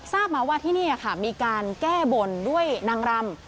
ทราบมาว่าที่นี่ค่ะมีการแก้บนด้วยนางรำ